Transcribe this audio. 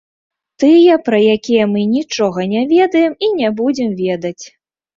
Тыя, пра якія мы нічога не ведаем і не будзем ведаць.